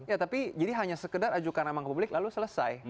ya tapi jadi hanya sekedar ajukan nama ke publik lalu selesai